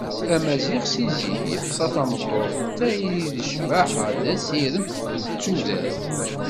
Amaziɣ si zik yeḥsa tameṭṭut d tayri, d ccbaḥa, d asirem, d tudert.